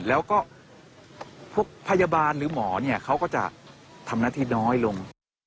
แล้วก็พวกพยาบาลหรือหมอเนี่ยเขาก็จะทำหน้าที่น้อยลง